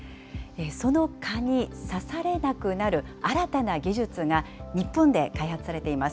その蚊に刺されなくなる新たな技術が、日本で開発されています。